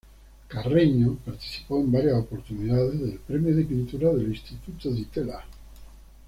Carreño participó en varias oportunidades del premio de pintura del Instituto Di Tella.